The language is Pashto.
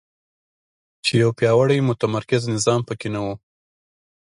چې یو پیاوړی متمرکز نظام په کې نه وو.